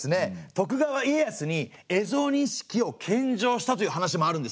徳川家康に蝦夷錦を献上したという話もあるんですね。